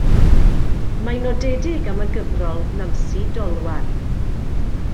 Mae'n nodedig am y gyfrol Nansi Dolwar.